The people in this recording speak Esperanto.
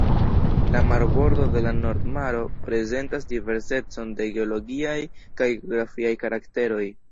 La marbordo de la Nord Maro prezentas diversecon de geologiaj kaj geografiaj karakteroj.